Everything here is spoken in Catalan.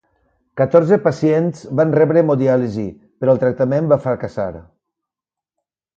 Catorze pacients van rebre hemodiàlisi, però el tractament fa fracassar.